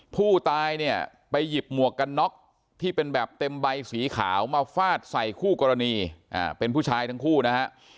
ผู้ตายเนี่ยไปหยิบหมวกกันน็อกที่เป็นแบบเต็มใบสีขาวมาฟาดใส่คู่กรณีเป็นผู้ชายทั้งคู่นะฮะ